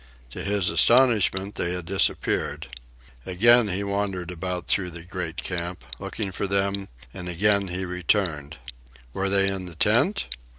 To his astonishment, they had disappeared. Again he wandered about through the great camp, looking for them, and again he returned. Were they in the tent?